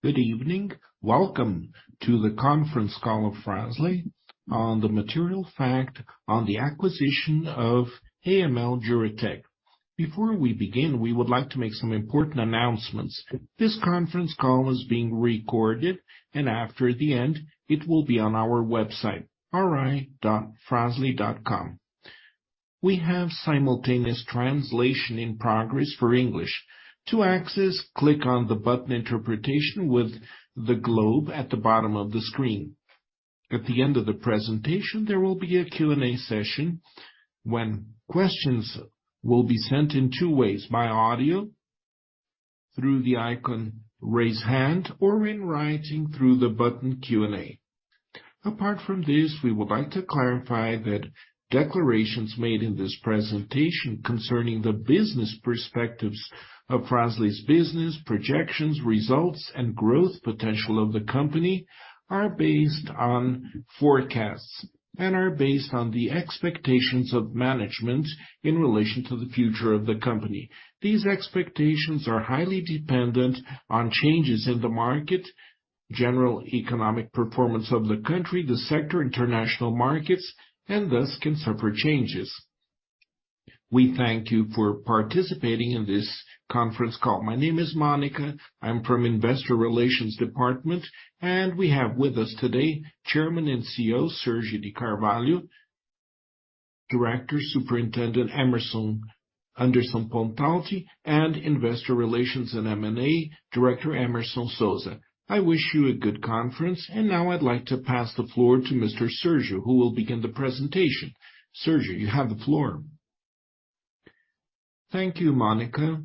Good evening. Welcome to the conference call of Fras-le on the material fact on the acquisition of AML Juratek. Before we begin, we would like to make some important announcements. This conference call is being recorded and after the end, it will be on our website, ri.fraslemobility.com. We have simultaneous translation in progress for English. To access, click on the button interpretation with the globe at the bottom of the screen. At the end of the presentation, there will be a Q&A session when questions will be sent in two ways: by audio, through the icon raise hand, or in writing through the button Q&A. Apart from this, we would like to clarify that declarations made in this presentation concerning the business perspectives of Fras-le's business projections, results, and growth potential of the company are based on forecasts, and are based on the expectations of management in relation to the future of the company. These expectations are highly dependent on changes in the market, general economic performance of the country, the sector, international markets, and thus can suffer changes. We thank you for participating in this conference call. My name is Mônica. I'm from Investor Relations Department, and we have with us today Chairman and CEO, Sérgio de Carvalh; Director, Superintendent Anderson Pontalti; and Investor Relations and M&A Director, Hemerson Souza. I wish you a good conference. Now I'd like to pass the floor to Mr. Sérgio, who will begin the presentation. Sérgio, you have the floor. Thank you, Mônica.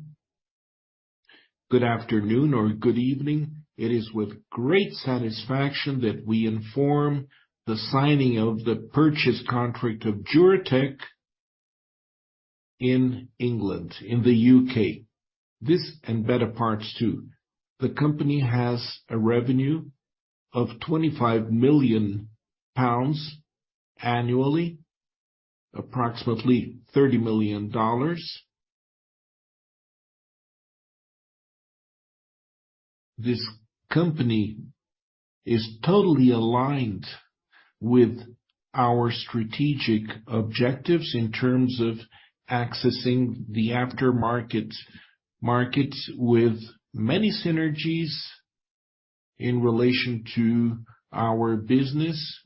Good afternoon or good evening. It is with great satisfaction that we inform the signing of the purchase contract of Juratek in England, in the U.K. This and Bettaparts too. The company has a revenue of 25 million pounds annually, approximately $30 million. This company is totally aligned with our strategic objectives in terms of accessing the aftermarket, markets with many synergies in relation to our business,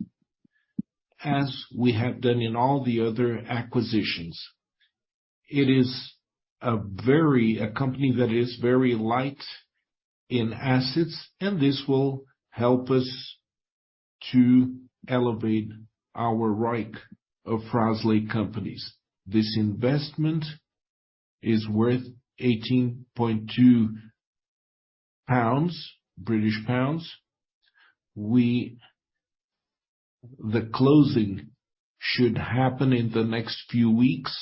as we have done in all the other acquisitions. It is a company that is very light in assets, and this will help us to elevate our ROIC of Fras-le companies. This investment is worth GBP 18.2. The closing should happen in the next few weeks,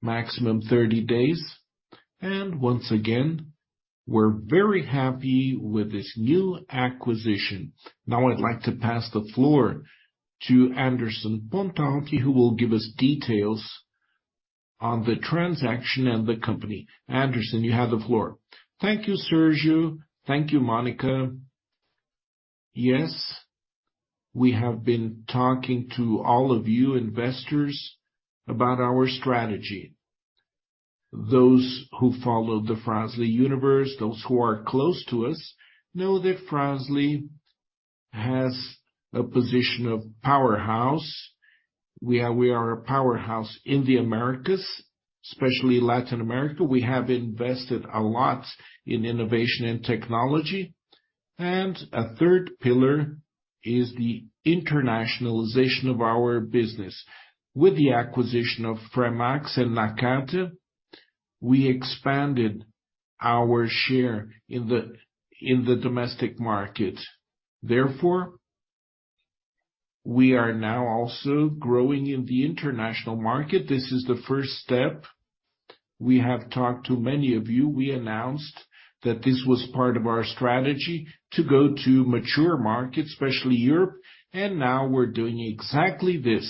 maximum 30 days. Once again, we're very happy with this new acquisition. I'd like to pass the floor to Anderson Pontalti, who will give us details on the transaction and the company. Anderson, you have the floor. Thank you, Sérgio. Thank you, Mônica. We have been talking to all of you investors about our strategy. Those who follow the Fras-le universe, those who are close to us know that Fras-le has a position of powerhouse. We are a powerhouse in the Americas, especially Latin America. We have invested a lot in innovation and technology, a third pillar is the internationalization of our business. With the acquisition of Fremax and Nakata, we expanded our share in the domestic market. We are now also growing in the international market. This is the first step. We have talked to many of you. We announced that this was part of our strategy to go to mature markets, especially Europe. Now we're doing exactly this.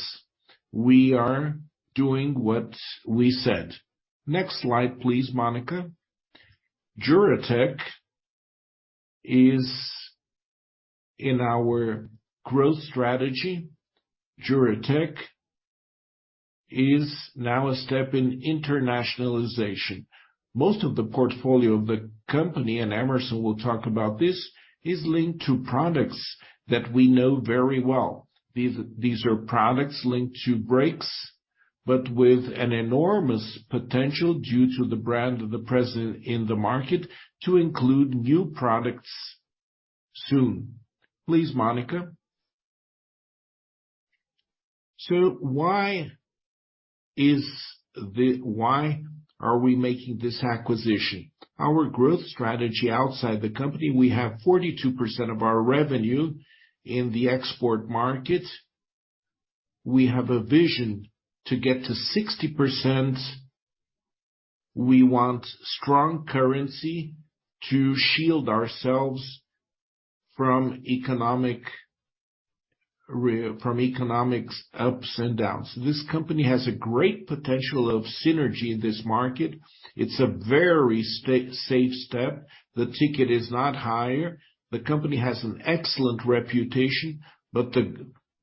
We are doing what we said. Next slide, please, Mônica. Juratek is in our growth strategy. Juratek is now a step in internationalization. Most of the portfolio of the company, Hemerson will talk about this, is linked to products that we know very well. These are products linked to brakes, with an enormous potential due to the brand of the presence in the market to include new products soon. Please, Mônica. Why are we making this acquisition? Our growth strategy outside the company, we have 42% of our revenue in the export market. We have a vision to get to 60%. We want strong currency to shield ourselves from economics ups and downs. This company has a great potential of synergy in this market. It's a very safe step. The ticket is not higher. The company has an excellent reputation,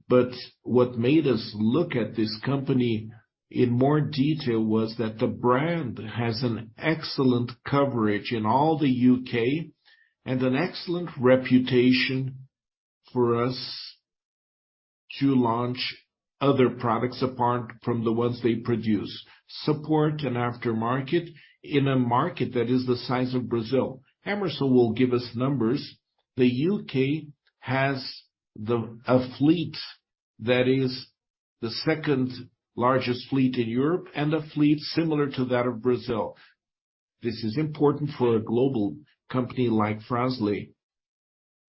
but what made us look at this company in more detail was that the brand has an excellent coverage in all the U.K., and an excellent reputation for us to launch other products apart from the ones they produce. Support and aftermarket in a market that is the size of Brazil. Hemerson will give us numbers. The U.K. has a fleet that is the second largest fleet in Europe, and a fleet similar to that of Brazil. This is important for a global company like Fras-le.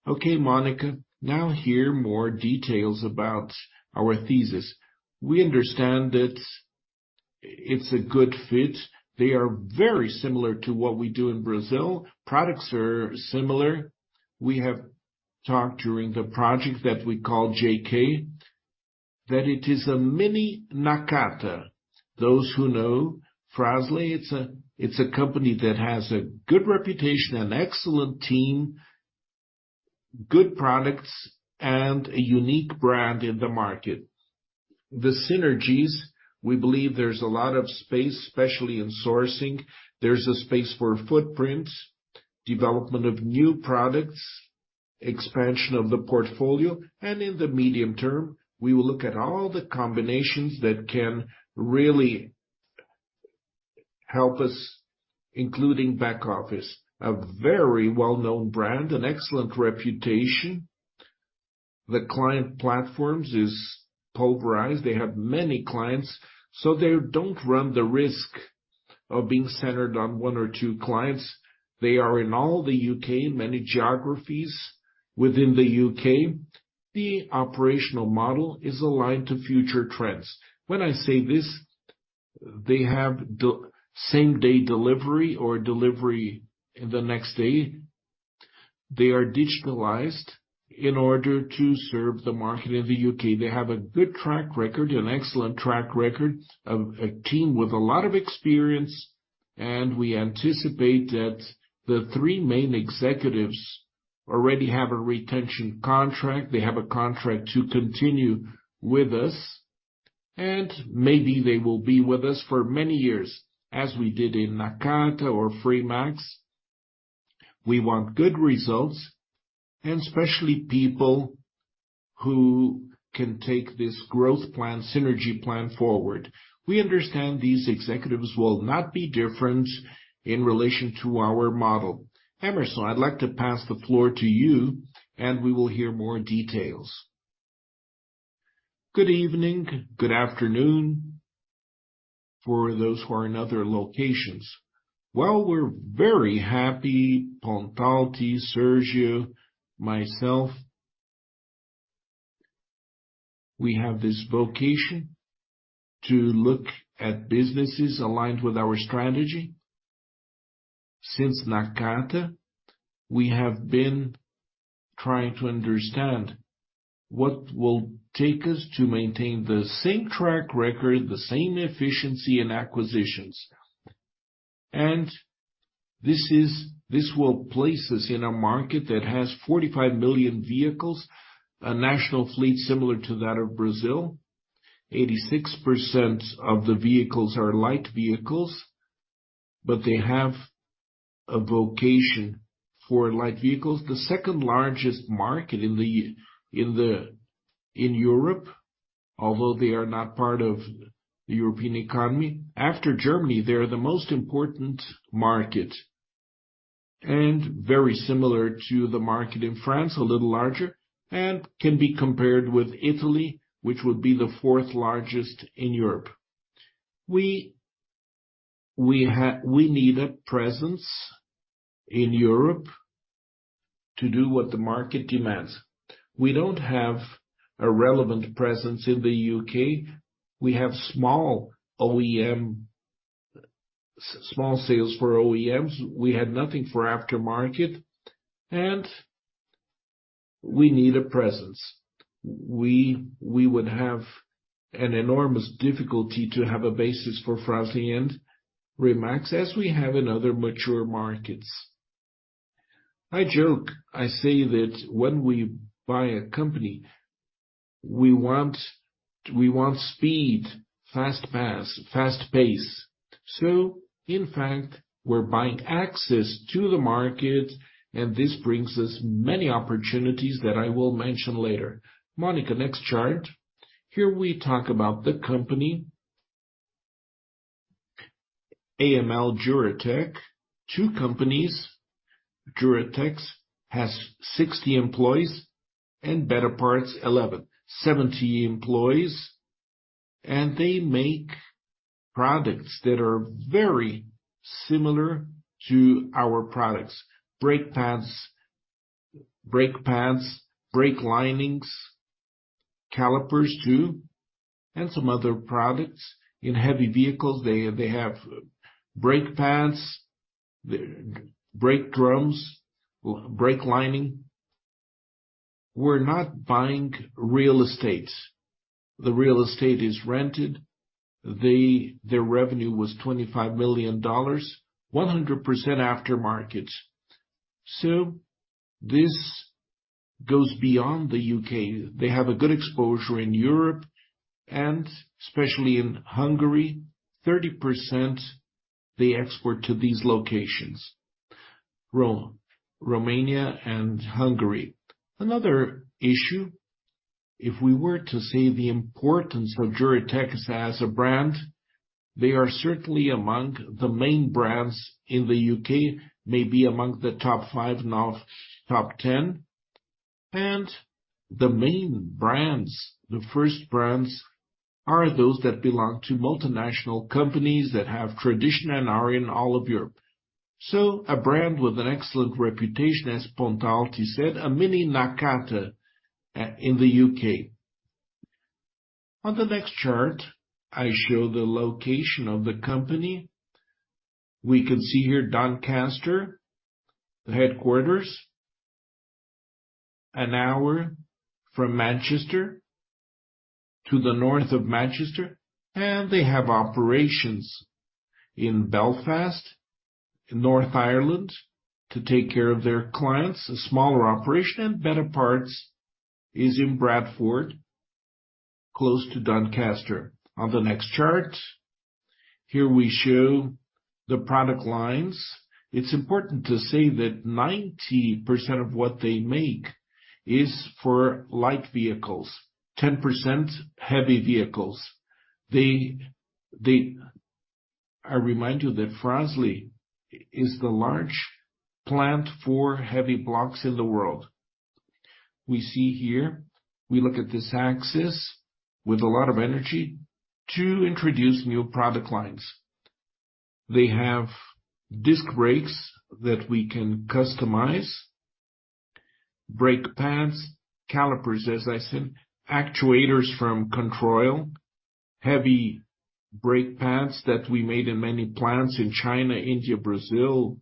Mônica, now here more details about our thesis. We understand it's a good fit. They are very similar to what we do in Brazil. Products are similar. We have talked during the project that we call JK, that it is a mini Nakata. Those who know Fras-le, it's a company that has a good reputation, an excellent team, good products, and a unique brand in the market. The synergies, we believe there's a lot of space, especially in sourcing. There's a space for footprints, development of new products, expansion of the portfolio, and in the medium term, we will look at all the combinations that can really help us, including back office. A very well-known brand, an excellent reputation. The client platforms is pulverized. They have many clients, so they don't run the risk of being centered on one or two clients. They are in all the U.K., many geographies within the U.K. The operational model is aligned to future trends. When I say this, they have the same day delivery or delivery the next day. They are digitalized in order to serve the market in the U.K. They have a good track record, an excellent track record, a team with a lot of experience. We anticipate that the three main executives already have a retention contract. They have a contract to continue with us. Maybe they will be with us for many years, as we did in Nakata or Fremax. We want good results. Especially people who can take this growth plan, synergy plan forward. We understand these executives will not be different in relation to our model. Hemerson, I'd like to pass the floor to you. We will hear more details. Good evening, good afternoon for those who are in other locations. We're very happy, Pontalti, Sérgio, myself. We have this vocation to look at businesses aligned with our strategy. Since Nakata, we have been trying to understand what will take us to maintain the same track record, the same efficiency in acquisitions. This will place us in a market that has 45 million vehicles, a national fleet similar to that of Brazil. 86% of the vehicles are light vehicles, but they have a vocation for light vehicles. The second-largest market in Europe, although they are not part of the European economy. After Germany, they are the most important market. Very similar to the market in France, a little larger, and can be compared with Italy, which would be the fourth-largest in Europe. We need a presence in Europe to do what the market demands. We don't have a relevant presence in the U.K. We have small OEM sales for OEMs. We had nothing for aftermarket. We need a presence. We would have an enormous difficulty to have a basis for Fras-le and Fremax, as we have in other mature markets. I joke, I say that when we buy a company, we want speed, fast pass, fast pace. In fact, we're buying access to the market, and this brings us many opportunities that I will mention later. Mônica, next chart. Here we talk about the company, AML Juratek. Two companies. Juratek has 60 employees, and BettaParts, 11. 70 employees, they make products that are very similar to our products. Brake pads, brake linings, calipers too. Some other products in heavy vehicles. They have brake pads, the brake drums, brake lining. We're not buying real estate. The real estate is rented. Their revenue was $25 million, 100% aftermarket. This goes beyond the U.K. They have a good exposure in Europe, and especially in Hungary, 30% they export to these locations: Rome, Romania ,and Hungary. Another issue, if we were to say the importance of Juratek as a brand, they are certainly among the main brands in the U.K., maybe among the top five, now top 10. The main brands, the first brands are those that belong to multinational companies that have tradition and are in all of Europe. A brand with an excellent reputation, as Pontalti said, a mini Nakata in the U.K. On the next chart, I show the location of the company. We can see here Doncaster, the headquarters, an hour from Manchester to the north of Manchester, and they have operations in Belfast, in North Ireland to take care of their clients. A smaller operation and BettaParts is in Bradford, close to Doncaster. On the next chart, here we show the product lines. It's important to say that 90% of what they make is for light vehicles, 10% heavy vehicles. I remind you that Fras-le is the large plant for heavy blocks in the world. We see here, we look at this axis with a lot of energy to introduce new product lines. They have disc brakes that we can customize, brake pads, calipers, as I said, actuators from Controil, heavy brake pads that we made in many plants in China, India, Brazil,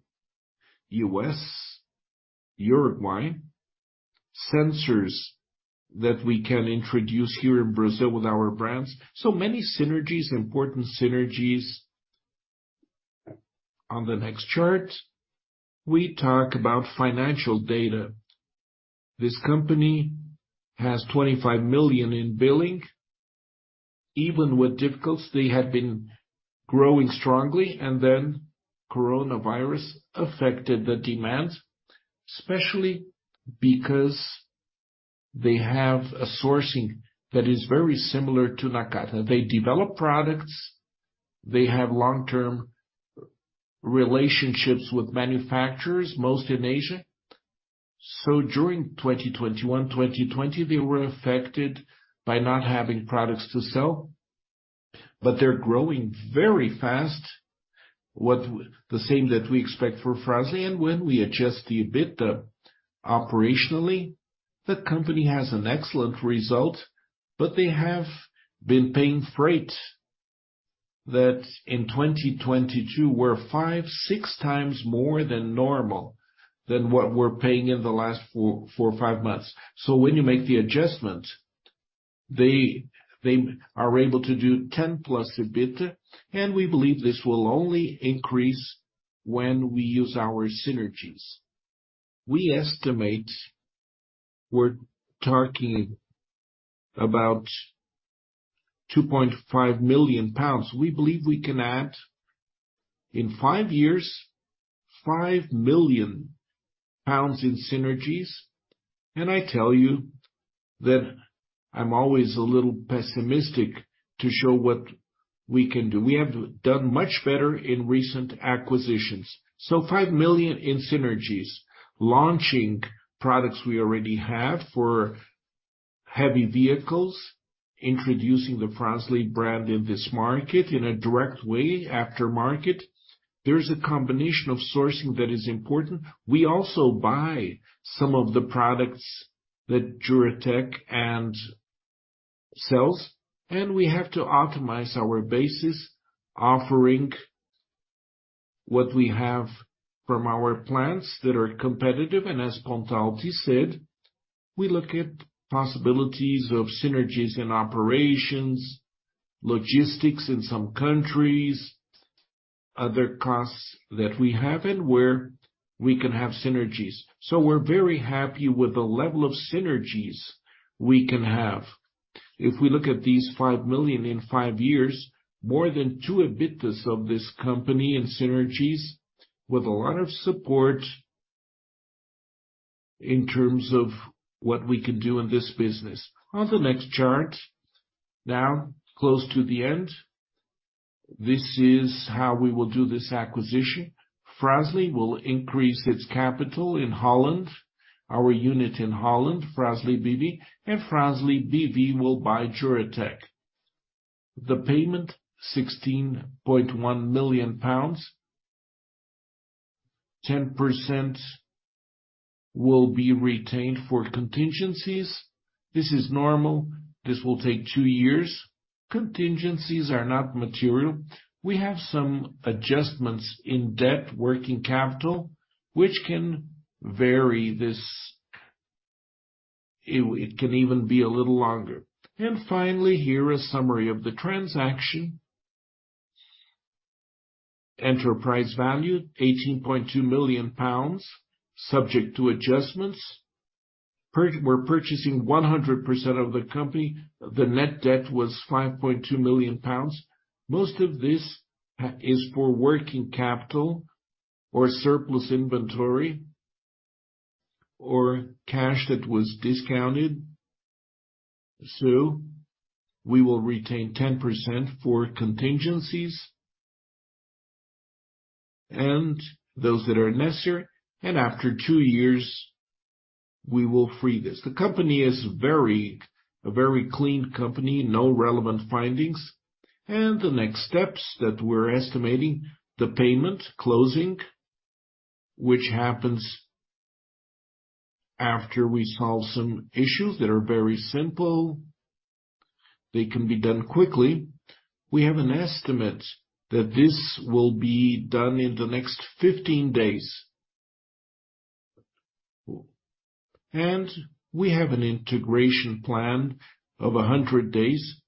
U.S., Uruguay, sensors that we can introduce here in Brazil with our brands. Many synergies, important synergies. On the next chart, we talk about financial data. This company has $25 million in billing. Even with difficulties, they had been growing strongly, and then coronavirus affected the demand, especially because they have a sourcing that is very similar to Nakata. They develop products, they have long-term relationships with manufacturers, most in Asia. During 2021, 2020, they were affected by not having products to sell, but they're growing very fast. What the same that we expect for Fras-le, and when we adjust the EBITDA operationally, the company has an excellent result, but they have been paying freight that in 2022 were five, 6x more than normal than what we're paying in the last four or five months. When you make the adjustment, they are able to do 10+ EBITDA, and we believe this will only increase when we use our synergies. We estimate we're talking about 2.5 million pounds. We believe we can add, in five years, 5 million pounds in synergies, and I tell you that I'm always a little pessimistic to show what we can do. We have done much better in recent acquisitions. 5 million in synergies, launching products we already have for heavy vehicles, introducing the Fras-le brand in this market in a direct way, aftermarket. There's a combination of sourcing that is important. We also buy some of the products that Juratek sells, and we have to optimize our bases, offering what we have from our plants that are competitive. As Pontalti said, we look at possibilities of synergies in operations, logistics in some countries, other costs that we have and where we can have synergies. We're very happy with the level of synergies we can have. If we look at these 5 million in five years, more than two EBITDAs of this company in synergies with a lot of support in terms of what we can do in this business. On the next chart, now close to the end, this is how we will do this acquisition. Fras-le will increase its capital in Holland, our unit in Holland, Fras-le BV, and Fras-le BV will buy Juratek. The payment, 16.1 million pounds. 10% will be retained for contingencies. This is normal. This will take two years. Contingencies are not material. We have some adjustments in debt working capital, which can vary this. It, it can even be a little longer. Finally, here, a summary of the transaction. Enterprise value, 18.2 million pounds, subject to adjustments. We're purchasing 100% of the company. The net debt was 5.2 million pounds. Most of this is for working capital or surplus inventory or cash that was discounted. We will retain 10% for contingencies and those that are necessary, and after two years, we will free this. The company is a very clean company, no relevant findings. The next steps that we're estimating, the payment closing, which happens after we solve some issues that are very simple. They can be done quickly. We have an estimate that this will be done in the next 15 days. We have an integration plan of 100 days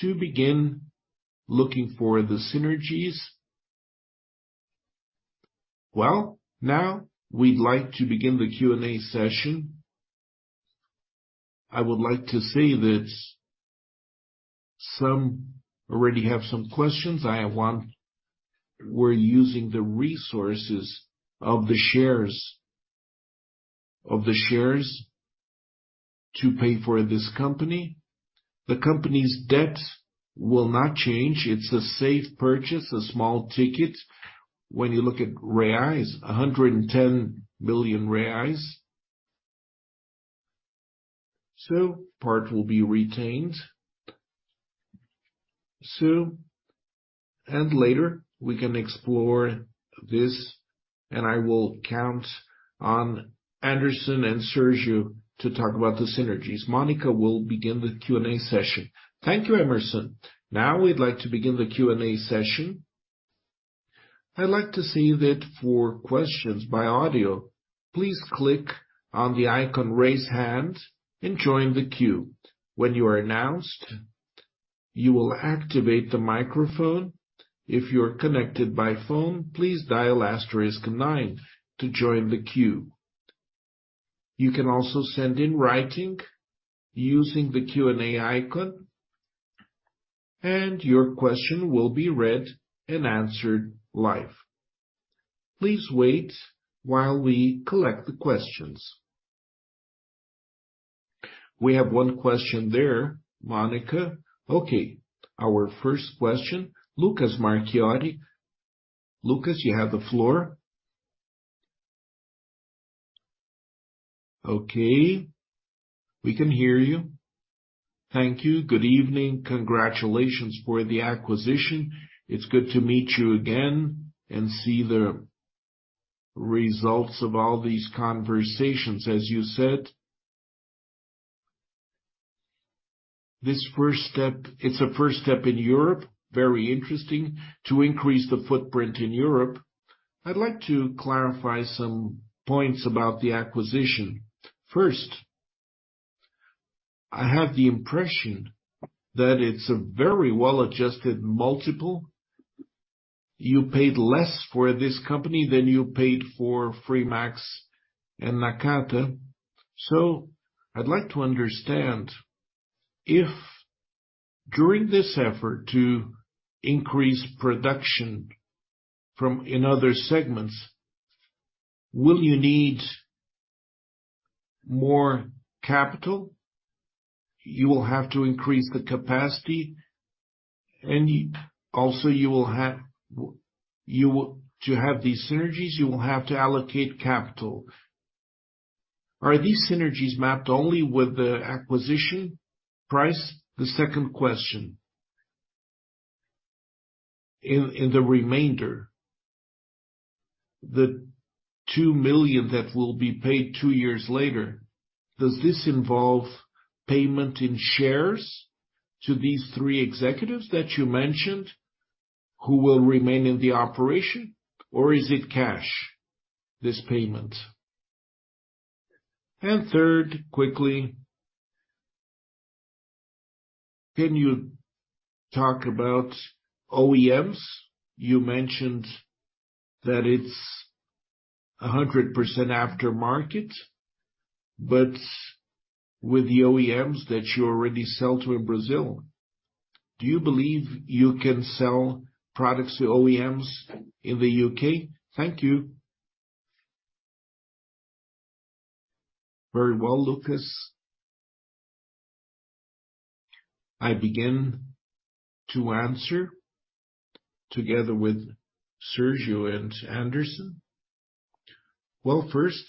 to begin looking for the synergies. Well, now we'd like to begin the Q&A session. I would like to say that some already have some questions. I have one. We're using the resources of the shares to pay for this company. The company's debt will not change. It's a safe purchase, a small ticket. When you look at 110 million reais. Part will be retained. Later we can explore this, and I will count on Anderson and Sérgio to talk about the synergies. Mônica will begin the Q&A session. Thank you, Hemerson. Now we'd like to begin the Q&A session. I'd like to say that for questions by audio, please click on the icon raise hand and join the queue. When you are announced, you will activate the microphone. If you're connected by phone, please dial asterisk nine to join the queue. You can also send in writing using the Q&A icon, and your question will be read and answered live. Please wait while we collect the questions. We have one question there, Mônica. Okay, our first question, Lucas Marchiori. Lucas, you have the floor. Okay, we can hear you. Thank you. Good evening. Congratulations for the acquisition. It's good to meet you again, and see the results of all these conversations. As you said, this first step, it's a first step in Europe, very interesting to increase the footprint in Europe. I'd like to clarify some points about the acquisition. First, I have the impression that it's a very well-adjusted multiple. You paid less for this company than you paid for Fremax and Nakata. I'd like to understand if during this effort to increase production in other segments, will you need more capital? You will have to increase the capacity, and also you will have to have these synergies, you will have to allocate capital. Are these synergies mapped only with the acquisition price? The second question. In the remainder, the 2 million that will be paid two years later, does this involve payment in shares to these three executives that you mentioned who will remain in the operation? Or is it cash, this payment? Third, quickly, can you talk about OEMs? You mentioned that it's 100% aftermarket, but with the OEMs that you already sell to in Brazil, do you believe you can sell products to OEMs in the U.K.? Thank you. Very well, Lucas. I begin to answer together with Sérgio and Anderson. First,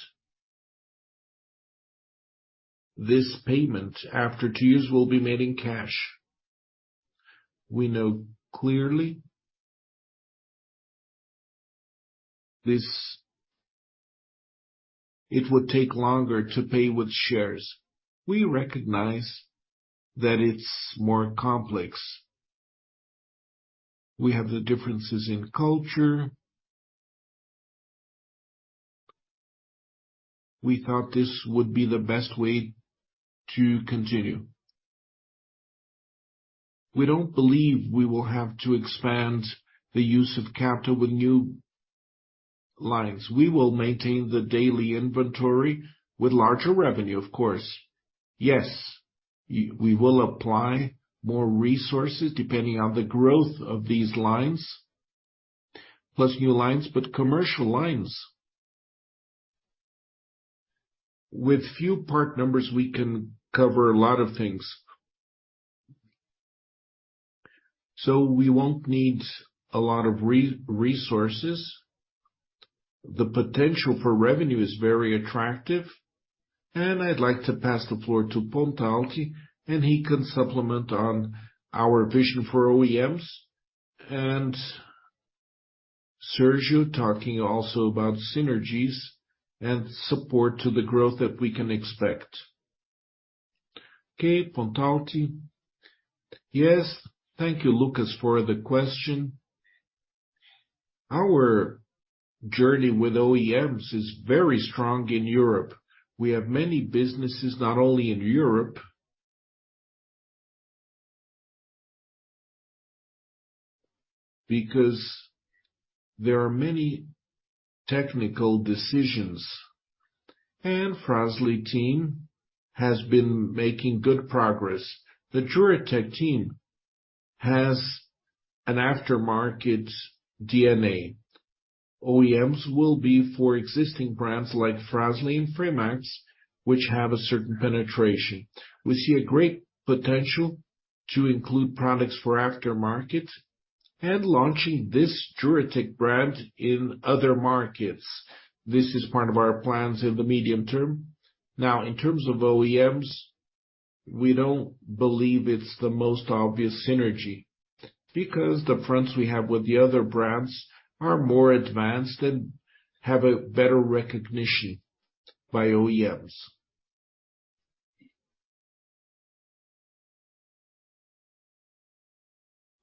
this payment after two years will be made in cash. We know clearly this. It would take longer to pay with shares. We recognize that it's more complex. We have the differences in culture. We thought this would be the best way to continue. We don't believe we will have to expand the use of capital with new lines. We will maintain the daily inventory with larger revenue, of course. Yes, we will apply more resources depending on the growth of these lines, plus new lines, but commercial lines. With few part numbers, we can cover a lot of things. We won't need a lot of resources. The potential for revenue is very attractive. I'd like to pass the floor to Pontalti, and he can supplement on our vision for OEMs. Sérgio talking also about synergies and support to the growth that we can expect. Okay, Pontalti. Yes. Thank you, Lucas, for the question. Our journey with OEMs is very strong in Europe. We have many businesses, not only in Europe. Because there are many technical decisions, and Fras-le team has been making good progress. The Juratek team has an aftermarket D&A. OEMs will be for existing brands like Fras-le and Fremax, which have a certain penetration. We see a great potential to include products for aftermarket, and launching this Juratek brand in other markets. This is part of our plans in the medium term. Now, in terms of OEMs, we don't believe it's the most obvious synergy because the fronts we have with the other brands are more advanced, and have a better recognition by OEMs.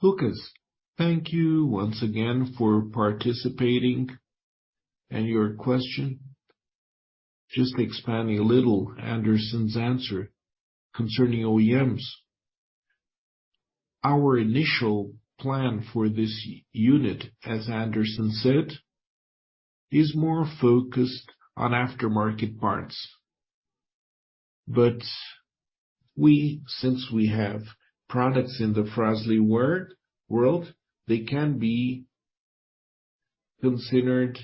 Lucas, thank you once again for participating and your question. Just expanding a little Anderson's answer concerning OEMs. Our initial plan for this unit, as Anderson said, is more focused on aftermarket parts. Since we have products in the Fras-le world, they can be considered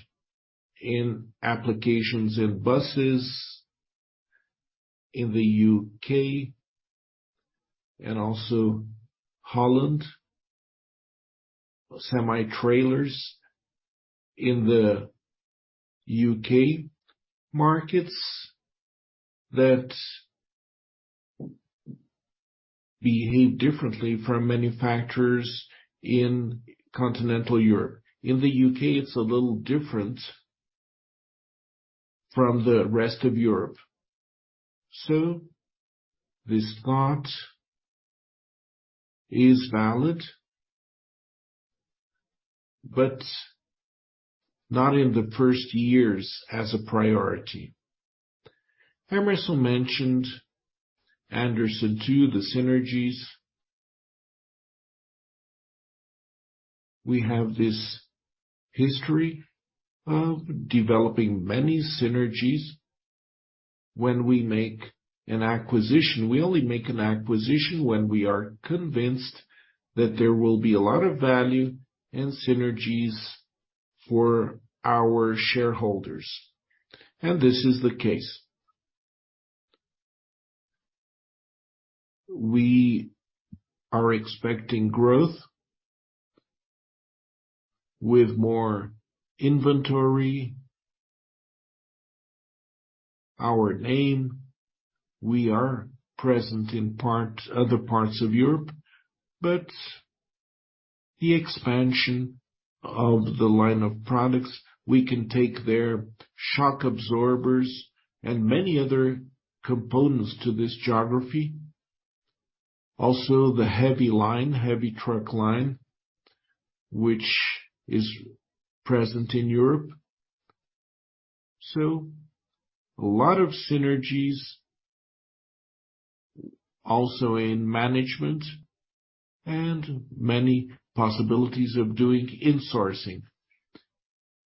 in applications in buses in the U.K. and also Holland, semi-trailers in the U.K. markets that behave differently from manufacturers in continental Europe. In the U.K., it's a little different from the rest of Europe. This thought is valid, but not in the first years as a priority. Hemerson mentioned, Anderson, too, the synergies. We have this history of developing many synergies when we make an acquisition. We only make an acquisition when we are convinced that there will be a lot of value and synergies for our shareholders. This is the case. We are expecting growth with more inventory. Our name, we are present in other parts of Europe, but the expansion of the line of products, we can take their shock absorbers, and many other components to this geography. The heavy line, heavy truck line, which is present in Europe. A lot of synergies also in management and many possibilities of doing insourcing.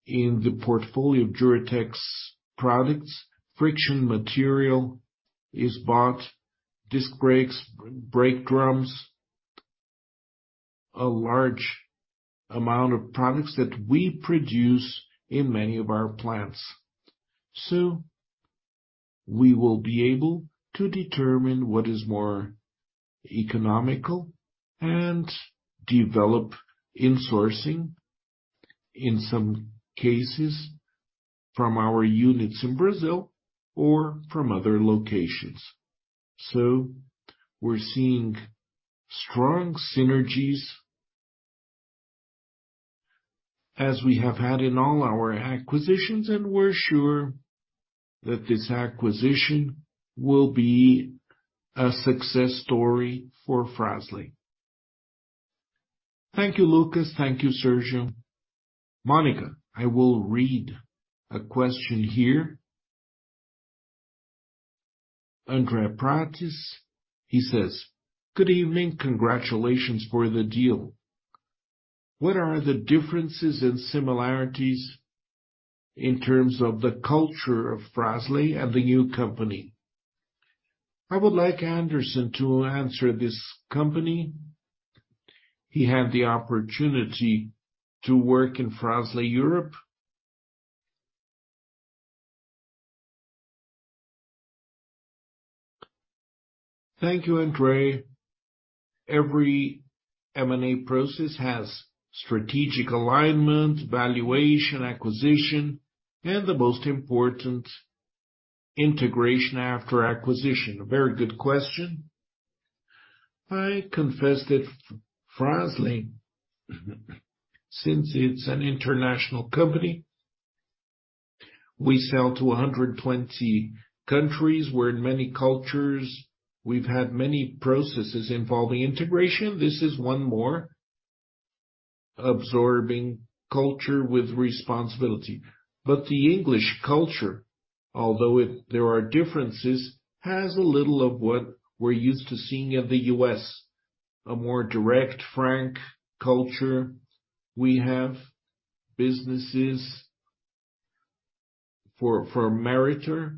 In the portfolio of Juratek's products, friction material is bought, disc brakes, brake drums, a large amount of products that we produce in many of our plants. We will be able to determine what is more economical, and develop insourcing in some cases from our units in Brazil or from other locations. We're seeing strong synergies as we have had in all our acquisitions, and we're sure that this acquisition will be a success story for Fras-le. Thank you, Lucas. Thank you, Sérgio. Mônica, I will read a question here. André Parde, he says, "Good evening. Congratulations for the deal. What are the differences and similarities in terms of the culture of Fras-le and the new company?" I would like Anderson to answer this company. He had the opportunity to work in Fras-le Europe. Thank you, André. Every M&A process has strategic alignment, valuation, acquisition, and the most important, integration after acquisition. A very good question. I confess that Fras-le, since it's an international company, we sell to 120 countries, we're in many cultures, we've had many processes involving integration. This is one more absorbing culture with responsibility. The English culture, although it there are differences, has a little of what we're used to seeing in the U.S., a more direct, frank culture. We have businesses for Meritor,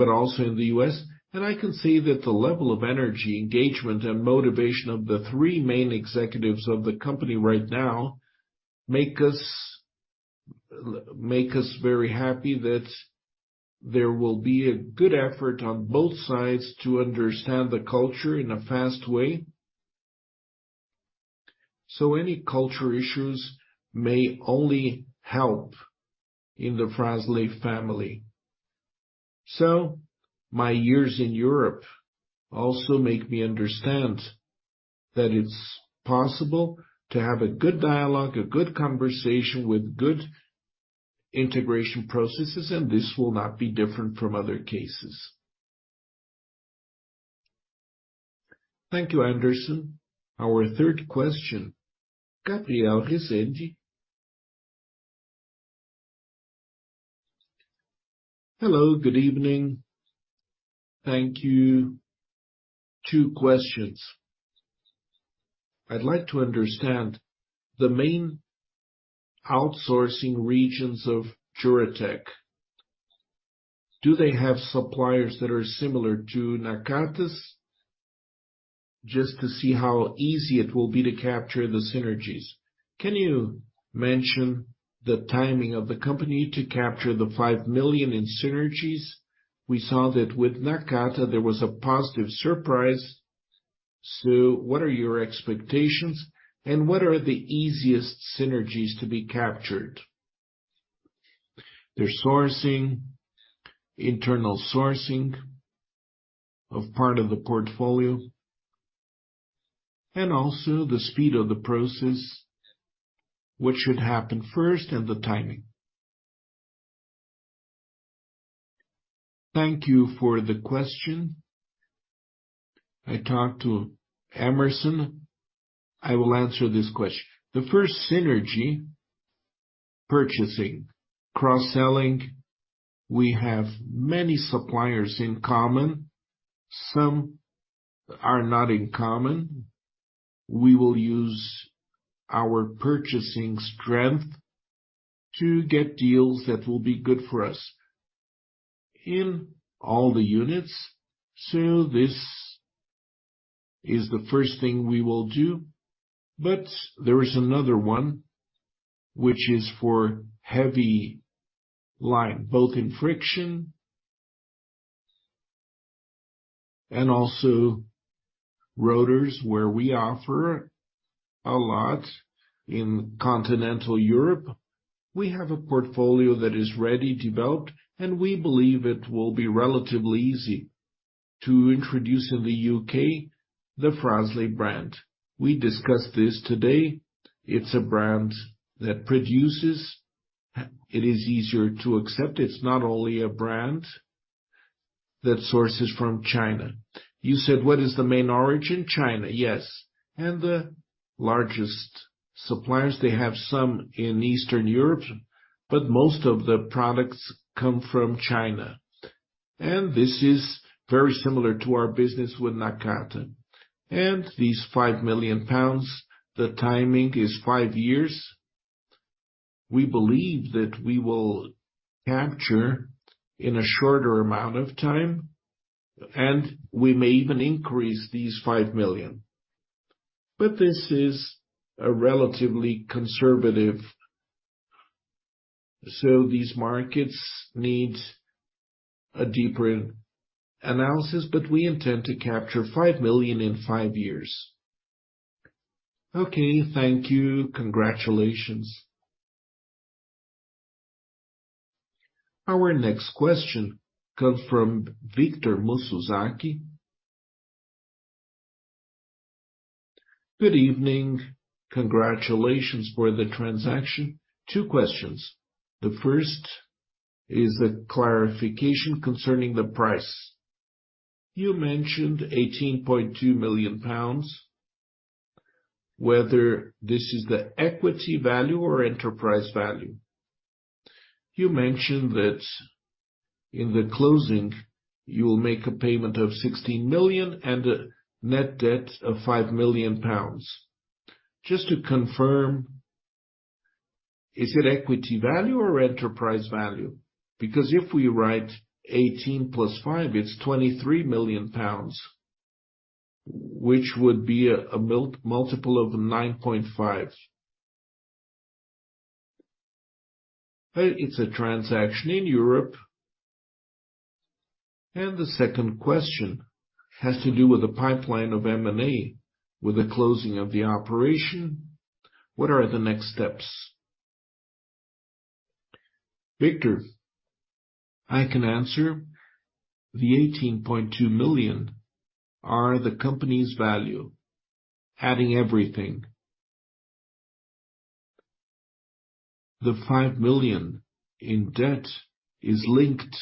also in the U.S. I can say that the level of energy, engagement, and motivation of the three main executives of the company right now make us, make us very happy that there will be a good effort on both sides to understand the culture in a fast way. Any culture issues may only help in the Fras-le family. My years in Europe also make me understand that it's possible to have a good dialogue, a good conversation with good integration processes, and this will not be different from other cases. Thank you, Anderson. Our third question, Gabriel Rezende. Hello, good evening. Thank you. Two questions. I'd like to understand the main outsourcing regions of Juratek. Do they have suppliers that are similar to Nakata's? Just to see how easy it will be to capture the synergies. Can you mention the timing of the company to capture the 5 million in synergies? We saw that with Nakata, there was a positive surprise. What are your expectations, and what are the easiest synergies to be captured? Their sourcing, internal sourcing of part of the portfolio, and also the speed of the process, what should happen first and the timing. Thank you for the question. I talked to Hemerson. I will answer this question. The first synergy, purchasing, cross-selling. We have many suppliers in common. Some are not in common. We will use our purchasing strength to get deals that will be good for us in all the units. This is the first thing we will do. There is another one which is for heavy line, both in friction and also rotors, where we offer a lot in continental Europe. We have a portfolio that is ready, developed, and we believe it will be relatively easy to introduce in the U.K. the Fras-le brand. We discussed this today. It's a brand that produces. It is easier to accept. It's not only a brand that sources from China. You said, what is the main origin? China, yes. The largest suppliers, they have some in Eastern Europe, but most of the products come from China. This is very similar to our business with Nakata. These 5 million pounds, the timing is five years. We believe that we will capture in a shorter amount of time, and we may even increase these 5 million. This is a relatively conservative. These markets need a deeper analysis, but we intend to capture 5 million in five years. Okay, thank you. Congratulations. Our next question comes from Victor Mizusaki. Good evening. Congratulations for the transaction. Two questions. The first is a clarification concerning the price. You mentioned 18.2 million pounds, whether this is the equity value or enterprise value. You mentioned that in the closing you will make a payment of 16 million, and a Net debt of 5 million pounds. Just to confirm, is it equity value or enterprise value? If we write 18 plus 5, it's 23 million pounds, which would be a multiple of 9.5x. It's a transaction in Europe. The second question has to do with the pipeline of M&A with the closing of the operation. What are the next steps? Victor, I can answer. The 18.2 million are the company's value, adding everything. The 5 million in debt is linked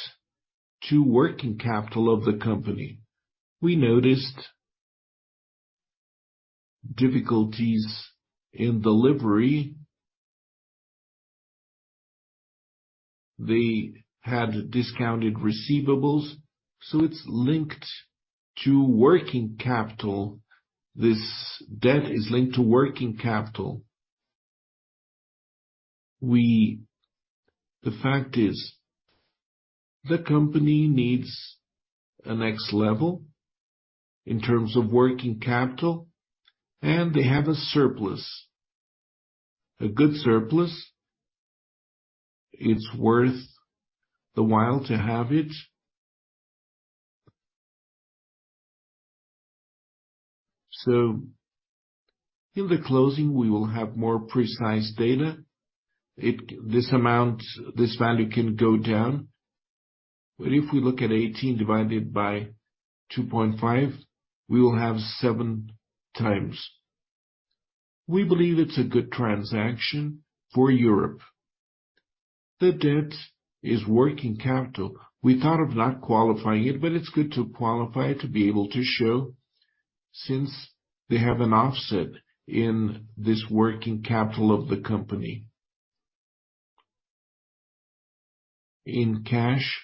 to working capital of the company. We noticed difficulties in delivery. They had discounted receivables, so it's linked to working capital. This debt is linked to working capital. The fact is, the company needs a next level in terms of working capital, and they have a surplus, a good surplus. It's worth the while to have it. In the closing, we will have more precise data. This amount, this value can go down, but if we look at 18 divided by 2.5, we will have 7x. We believe it's a good transaction for Europe. The debt is working capital. We thought of not qualifying it, but it's good to qualify it to be able to show since they have an offset in this working capital of the company. In cash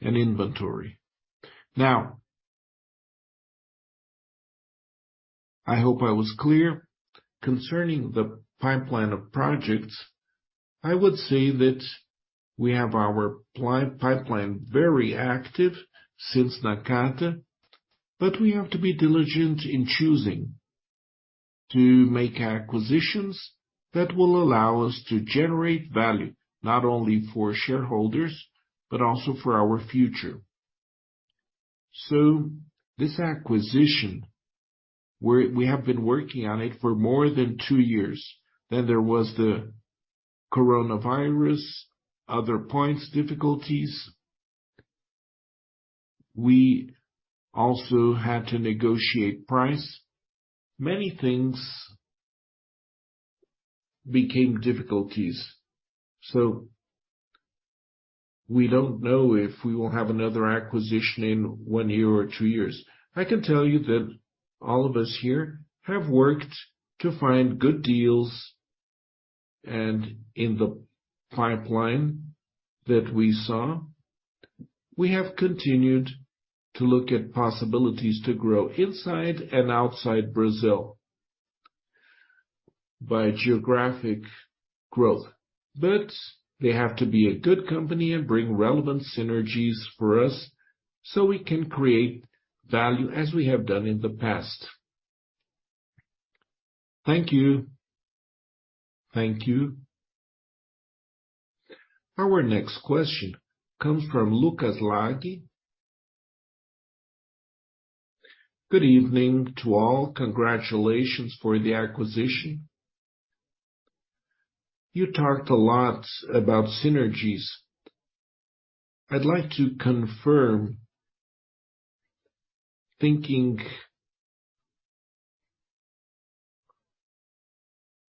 and inventory. I hope I was clear concerning the pipeline of projects. I would say that we have our pipeline very active since Nakata. We have to be diligent in choosing to make acquisitions that will allow us to generate value not only for shareholders, but also for our future. This acquisition, we have been working on it for more than two years. There was the coronavirus, other points, difficulties. We also had to negotiate price. Many things became difficulties. We don't know if we will have another acquisition in one year or two years. I can tell you that all of us here have worked to find good deals. In the pipeline that we saw, we have continued to look at possibilities to grow inside and outside Brazil by geographic growth. They have to be a good company and bring relevant synergies for us so we can create value as we have done in the past. Thank you. Thank you. Our next question comes from Lucas Laghi. Good evening to all. Congratulations for the acquisition. You talked a lot about synergies. I'd like to confirm, thinking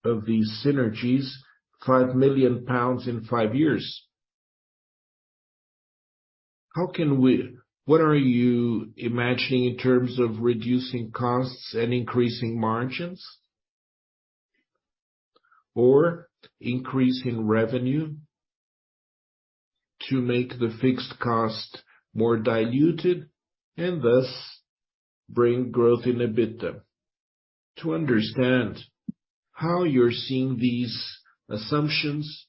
of these synergies, 5 million pounds in five years. What are you imagining in terms of reducing costs, and increasing margins or increase in revenue to make the fixed cost more diluted and thus bring growth in EBITDA? To understand how you're seeing these assumptions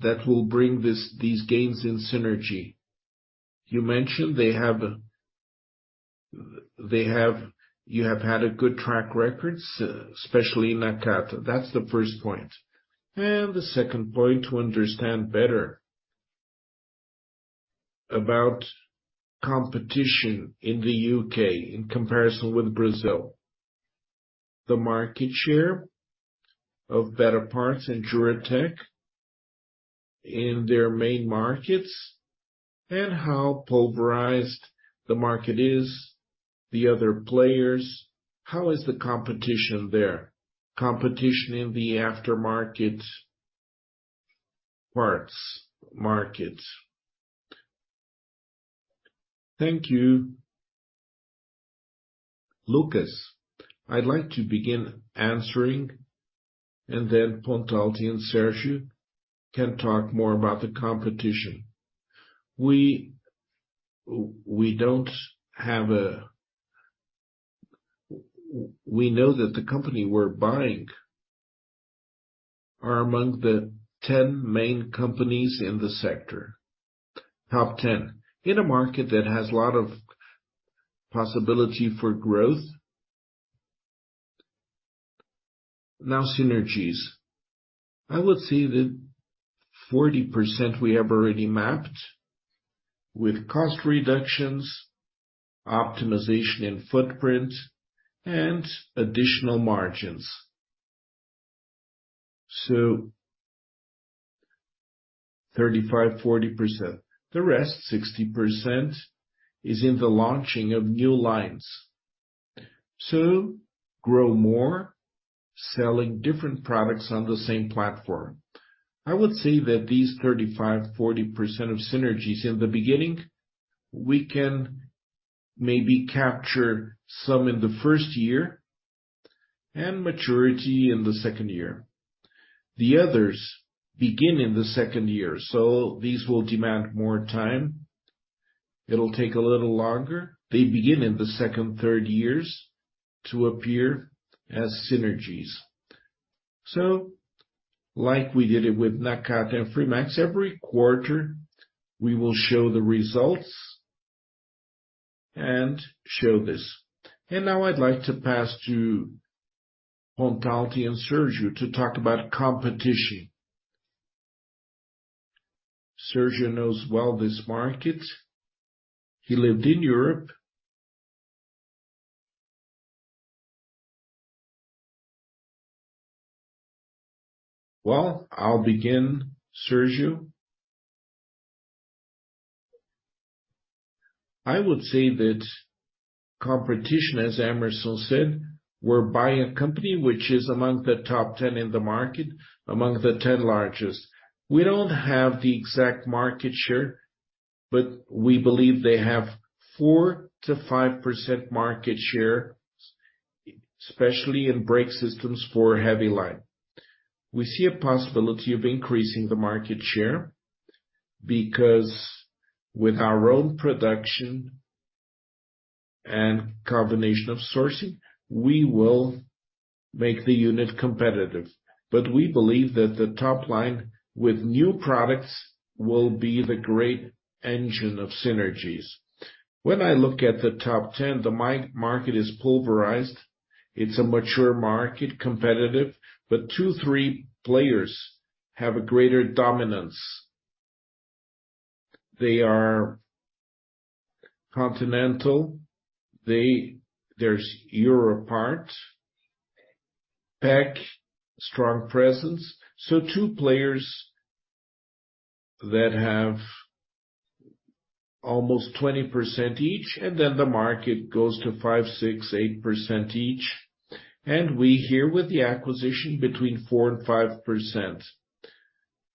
that will bring these gains in synergy. You mentioned they have you have had a good track records, especially in Nakata. That's the first point. The second point, to understand better about competition in the U.K. in comparison with Brazil. The market share of BettaParts and Juratek in their main markets, and how pulverized the market is, the other players, how is the competition there? Competition in the aftermarket parts market. Thank you. Lucas, I'd like to begin answering, and then Pontalti and Sérgio can talk more about the competition. We know that the company we're buying are among the 10 main companies in the sector. Top 10. In a market that has a lot of possibility for growth. Now, synergies. I would say that 40% we have already mapped with cost reductions, optimization and footprint, and additional margins. 35, 40%. The rest, 60%, is in the launching of new lines to grow more, selling different products on the same platform. I would say that these 35%-40% of synergies, in the beginning, we can maybe capture some in the 1st year and maturity in the 2nd year. The others begin in the 2nd year, these will demand more time. It'll take a little longer. They begin in the 2nd, 3rd years to appear as synergies. Like we did it with Nakata and Fremax, every quarter, we will show the results and show this. Now I'd like to pass to Pontalti and Sérgio to talk about competition. Sérgio knows well this market. He lived in Europe. Well, I'll begin, Sérgio. I would say that competition, as Hemerson said, we're buying a company which is among the top 10 in the market, among the 10 largest. We don't have the exact market share, but we believe they have 4%-5% market share, especially in brake systems for heavy line. We see a possibility of increasing the market share because with our own production and combination of sourcing, we will make the unit competitive. But we believe that the top line with new products will be the great engine of synergies. When I look at the top 10, the mi-market is pulverized. It's a mature market, competitive, but two, three players have a greater dominance. They are Continental, there's EUROPART, PEC, strong presence. So two players that have almost 20% each, and then the market goes to 5%, 6%, 8% each. And we here with the acquisition between 4% and 5%.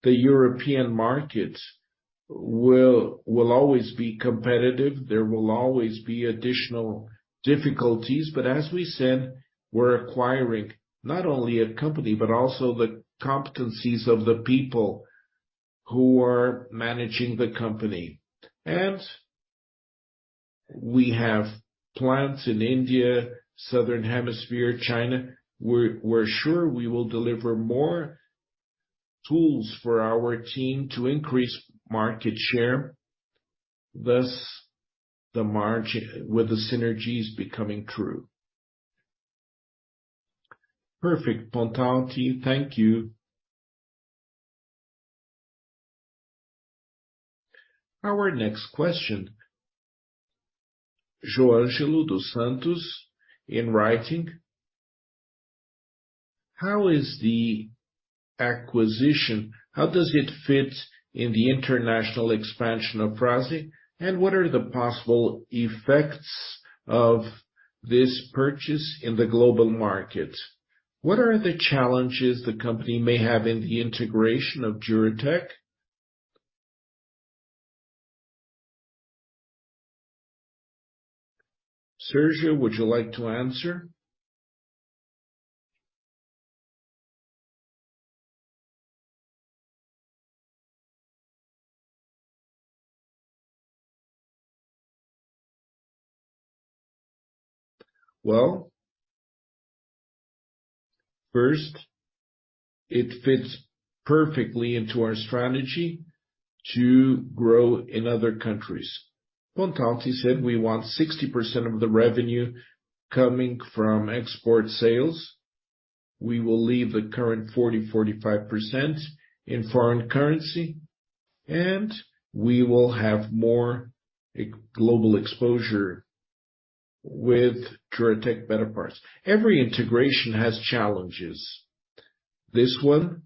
The European market will always be competitive. There will always be additional difficulties. As we said, we're acquiring not only a company, but also the competencies of the people who are managing the company. We have plants in India, Southern Hemisphere, China. We're sure we will deliver more tools for our team to increase market share, thus the margin with the synergies becoming true. Perfect, Pontalti. Thank you. Our next question, Joangelo dos Santos in writing: How does it fit in the international expansion of Fras-le? What are the possible effects of this purchase in the global market? What are the challenges the company may have in the integration of Juratek? Sérgio, would you like to answer? First, it fits perfectly into our strategy to grow in other countries. Pontalti said we want 60% of the revenue coming from export sales. We will leave the current 40%-45% in foreign currency, we will have more global exposure with Juratek BettaParts. Every integration has challenges. This one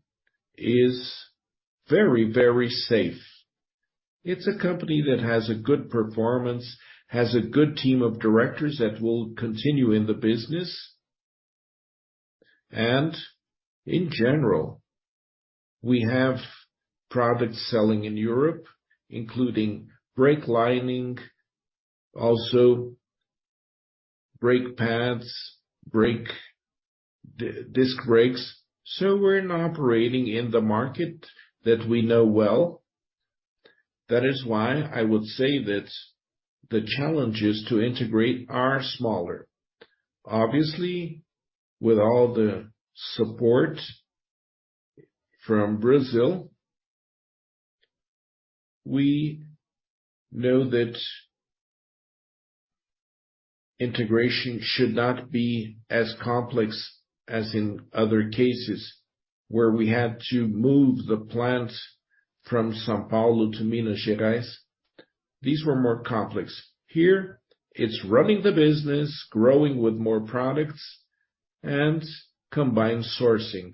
is very, very safe. It's a company that has a good performance, has a good team of directors that will continue in the business. In general, we have products selling in Europe, including brake lining, also brake pads, disc brakes. We're now operating in the market that we know well. That is why I would say that the challenges to integrate are smaller. Obviously, with all the support from Brazil, we know that integration should not be as complex as in other cases where we had to move the plant from São Paulo to Minas Gerais. These were more complex. Here, it's running the business, growing with more products and combined sourcing,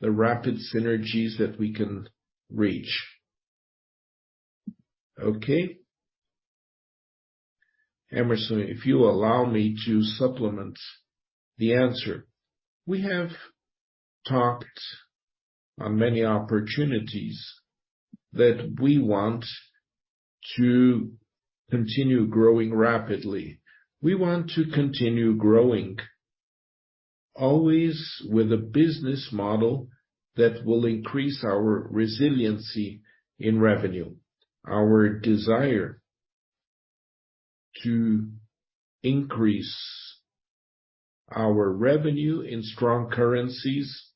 the rapid synergies that we can reach. Okay. Hemerson, if you allow me to supplement the answer. We have talked on many opportunities that we want to continue growing rapidly. We want to continue growing always with a business model that will increase our resiliency in revenue, our desire to increase our revenue in strong currencies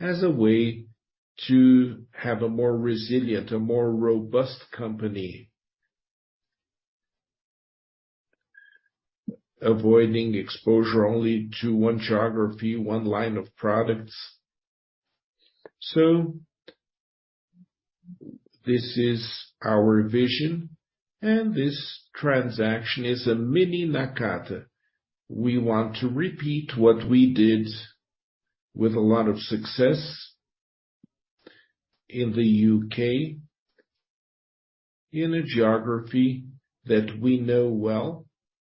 as a way to have a more resilient, a more robust company. Avoiding exposure only to one geography, one line of products. This is our vision, and this transaction is a mini Nakata. We want to repeat what we did with a lot of success in the U.K., in a geography that we know well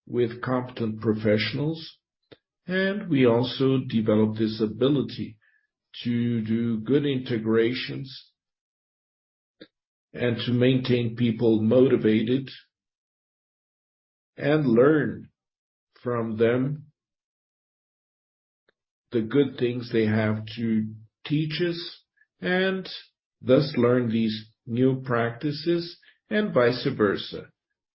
with competent professionals, and we also develop this ability to do good integrations and to maintain people motivated and learn from them the good things they have to teach us, and thus learn these new practices and vice versa.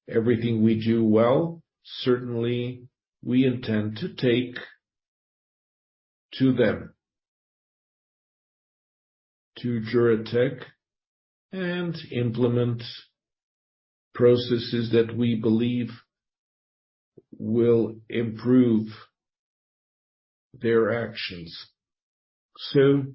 Everything we do well, certainly we intend to take to them, to Juratek, and implement processes that we believe will improve their actions. Thank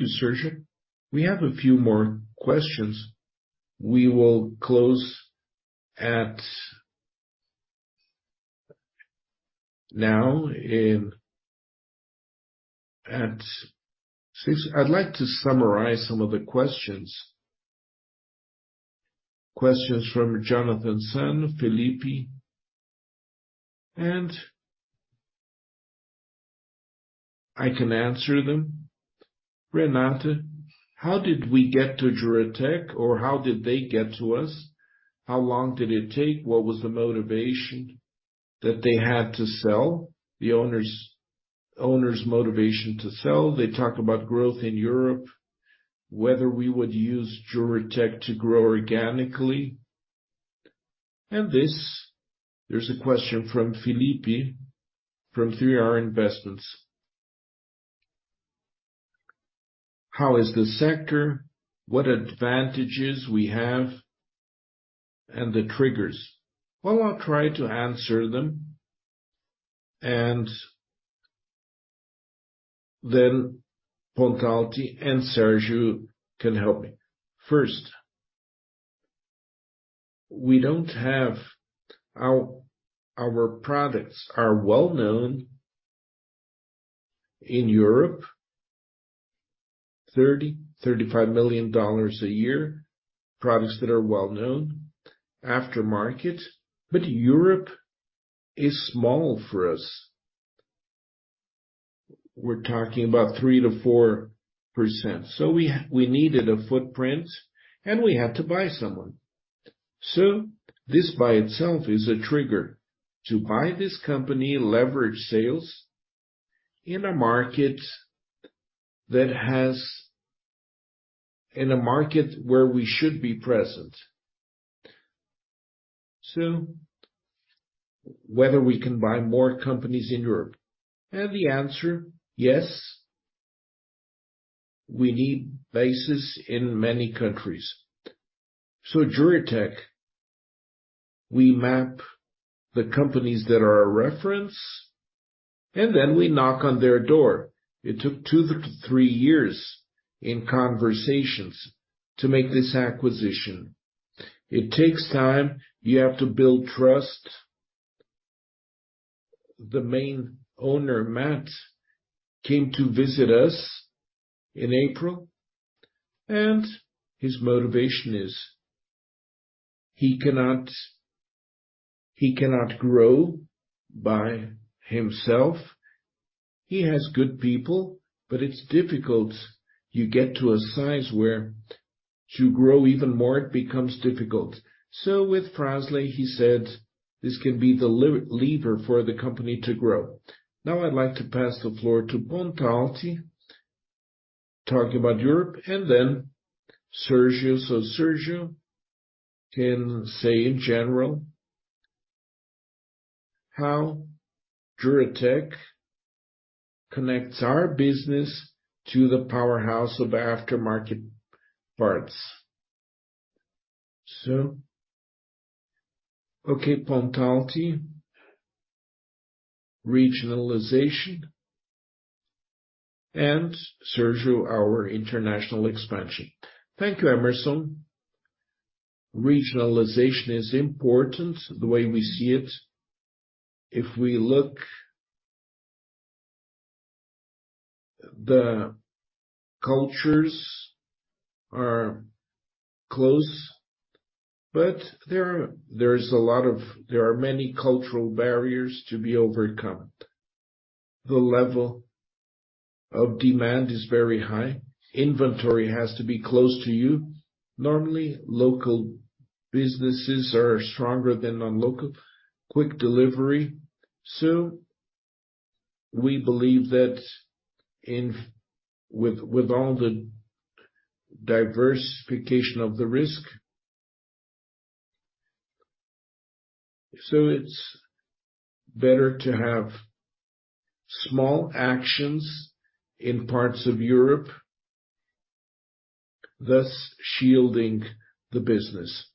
you, Sérgio. We have a few more questions. We will close at 6. I'd like to summarize some of the questions. Questions from Jonathan Roche, Felipe, I can answer them. Renata, how did we get to Juratek or how did they get to us? How long did it take? What was the motivation that they had to sell? The owner's motivation to sell. They talk about growth in Europe, whether we would use Juratek to grow organically. This, there's a question from Felipe from 3R Investimentos. How is the sector? What advantages we have and the triggers? Well, I'll try to answer them, Pontalti and Sérgio can help me. First, our products are well-known in Europe, $30 million-$35 million a year, products that are well-known aftermarket, Europe is small for us. We're talking about 3%-4%. We needed a footprint, we had to buy someone. This by itself is a trigger to buy this company, leverage sales in a market where we should be present. Whether we can buy more companies in Europe. The answer, yes. We need bases in many countries. Juratek, we map the companies that are a reference, we knock on their door. It took 2-3 years in conversations to make this acquisition. It takes time. You have to build trust. The main owner, Matt, came to visit us in April, his motivation is he cannot grow by himself. He has good people, but it's difficult. You get to a size where to grow even more, it becomes difficult. With Fras-le, he said, "This can be the lever for the company to grow." Now I'd like to pass the floor to Pontalti, talk about Europe and then Sérgio. Sérgio can say in general how Juratek connects our business to the powerhouse of aftermarket parts. Okay, Pontalti, regionalization, and Sérgio, our international expansion. Thank you, Hemerson. Regionalization is important, the way we see it. If we look, the cultures are close, but there are many cultural barriers to be overcome. The level of demand is very high. Inventory has to be close to you. Normally, local businesses are stronger than on local. Quick delivery. We believe that with all the diversification of the risk, so it's better to have small actions in parts of Europe, thus shielding the business.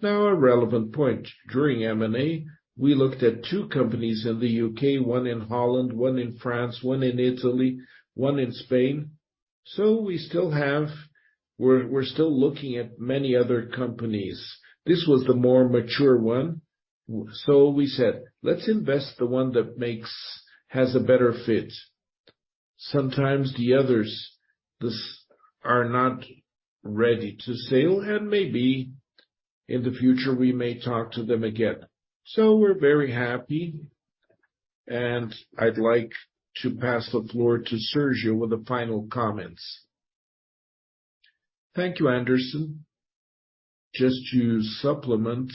Now, a relevant point. During M&A, we looked at two companies in the U.K., one in Holland, one in France, one in Italy, onw in Spain. We're still looking at many other companies. This was the more mature one. We said, "Let's invest the one that has a better fit." Sometimes the others are not ready to sail, and maybe in the future we may talk to them again. We're very happy, and I'd like to pass the floor to Sérgio with the final comments. Thank you, Anderson. Just to supplement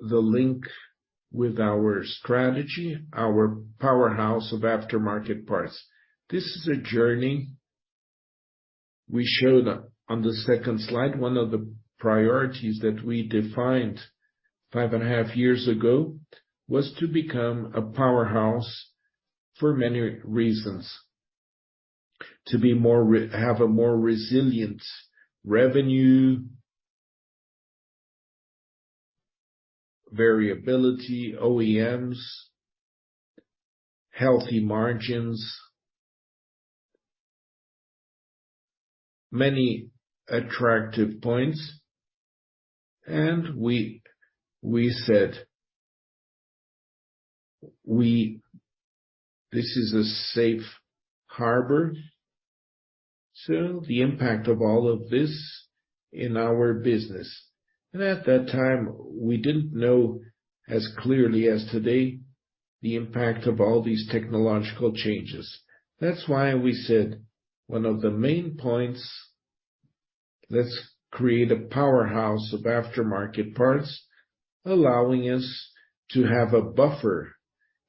the link with our strategy, our powerhouse of aftermarket parts. This is a journey we showed on the second slide. One of the priorities that we defined 5.5 years ago was to become a powerhouse for many reasons. To have a more resilient revenue, variability, OEMs, healthy margins, many attractive points. We, we said this is a safe harbor, so the impact of all of this in our business. At that time, we didn't know as clearly as today the impact of all these technological changes. That's why we said one of the main points, let's create a powerhouse of aftermarket parts, allowing us to have a buffer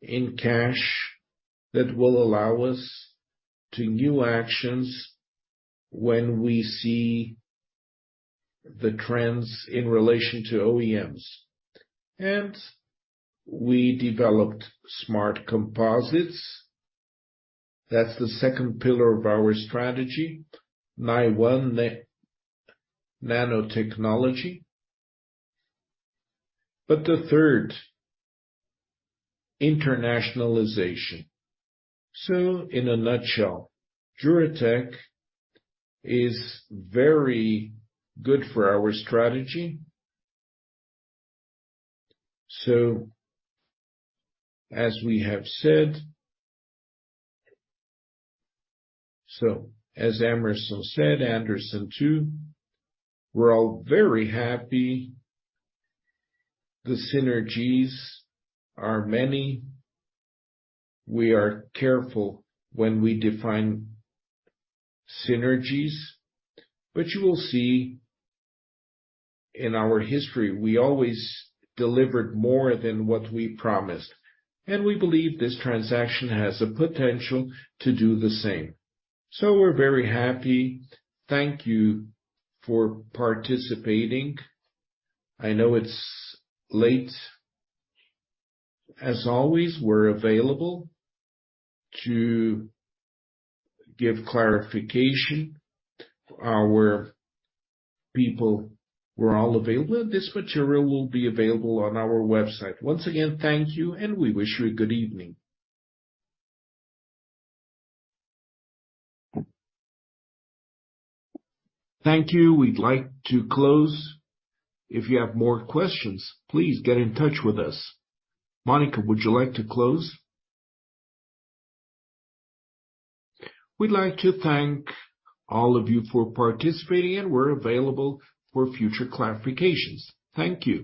in cash that will allow us to new actions when we see the trends in relation to OEMs. We developed smart composites. That's the second pillar of our strategy, NIONE nanotechnology. The third, internationalization. In a nutshell, Juratek is very good for our strategy. As we have said... As Hemerson said, Anderson too, we're all very happy. The synergies are many. We are careful when we define synergies, you will see in our history, we always delivered more than what we promised, and we believe this transaction has the potential to do the same. We're very happy. Thank you for participating. I know it's late. As always, we're available to give clarification. Our people were all available. This material will be available on our website. Once again, thank you, and we wish you a good evening. Thank you. We'd like to close. If you have more questions, please get in touch with us. Mônica, would you like to close? We'd like to thank all of you for participating, and we're available for future clarifications. Thank you.